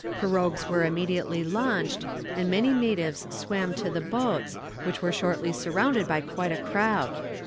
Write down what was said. Pirogues were immediately launched, and many natives swam to the boats, which were shortly surrounded by quite a crowd.